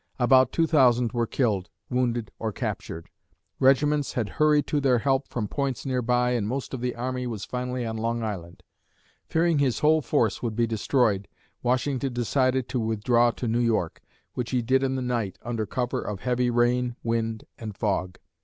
About two thousand were killed, wounded or captured. Regiments had hurried to their help from points nearby and most of the army was finally on Long Island. Fearing his whole force would be destroyed, Washington decided to withdraw to New York, which he did in the night, under cover of heavy rain, wind and fog.